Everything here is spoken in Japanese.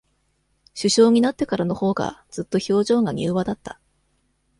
首相になってからのほうが、ずっと、表情が柔和だった。